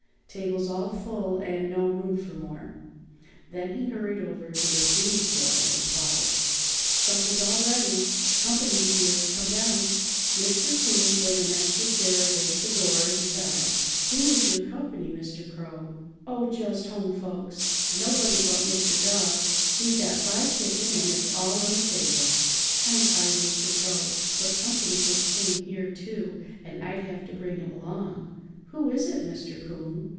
Table's all full and no room for more!" Then he hurried over to the 'Coon's door and called: "Supper's all ready! Comp'ny's here! Come down!" [Illustration: MR. 'COON PUT AN EXTRA CHAIR AGAINST THE DOOR.] Mr. 'Coon put an extra chair against the door and said: "Who is your comp'ny, Mr. Crow?" "Oh, just home folks. Nobody but Mr. Dog. We've got fried chicken and it's all on the table." "I'm sorry, Mr. Crow, but comp'ny just came here, too, and I'd have to bring him along." "Who is it, Mr. 'Coon?"